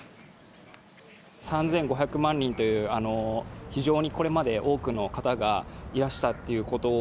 ３５００万人という、非常にこれまで多くの方がいらしたってことを。